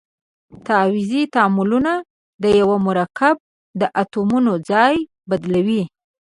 تعویضي تعاملونه د یوه مرکب د اتومونو ځای بدلوي.